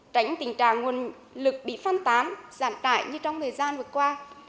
tránh tình trạng nguồn lực bị phân tán giàn trải như trong thời gian vừa qua